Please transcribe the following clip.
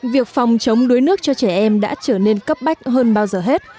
việc phòng chống đuối nước cho trẻ em đã trở nên cấp bách hơn bao giờ hết